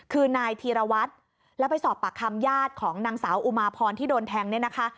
คือนายธีรวัตรแล้วไปสอบปากคำญาติของนางสาวอุมาพรที่โดนแทงเนี่ยนะคะ